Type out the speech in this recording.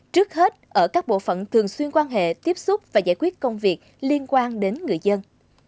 trước hết ở các bộ phận thường xuyên quan hệ tiếp xúc và giải quyết công việc liên quan đến người dân